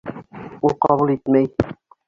Ул ҡабул итмәй.